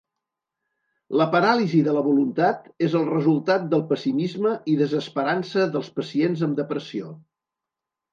La "paràlisi de la voluntat" és el resultat del pessimisme i desesperança dels pacients amb depressió.